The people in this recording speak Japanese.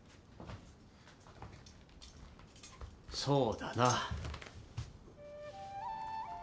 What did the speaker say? そうだな。